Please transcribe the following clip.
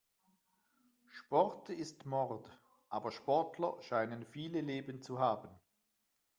Sport ist Mord, aber Sportler scheinen viele Leben zu haben.